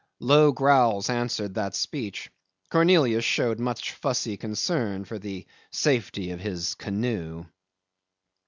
Low growls answered that speech. Cornelius showed much fussy concern for the safety of his canoe.